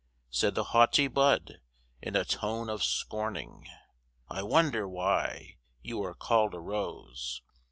Said the haughty bud, in a tone of scorning, "I wonder why you are called a rose?